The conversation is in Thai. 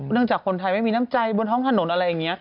เนื่องจากคนไทยไม่มีน้ำใจบนห้องถนนอะไรอย่างเงี้ย